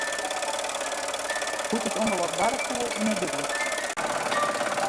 Hoe't it ûngelok barre koe, is net dúdlik.